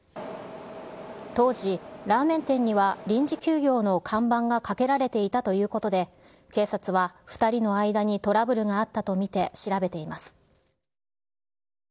当時、ラーメン店には臨時休業の看板がかけられていたということで、警察は２人の間にトラブルがあったと見て調べています。